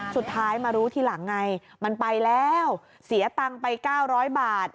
สุดท้ายมารู้ทีหลังไงมันไปแล้วเสียตังค์ไป๙๐๐บาท